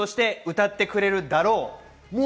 歌ってくれるだろう。